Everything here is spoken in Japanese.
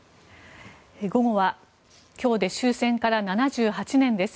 午後は今日で終戦から７８年です。